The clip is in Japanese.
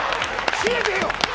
閉めてよ！